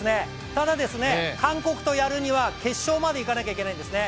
ただ、韓国とやるには決勝までいかなきゃいけないんですね。